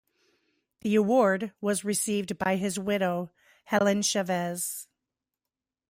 The award was received by his widow, Helen Chavez.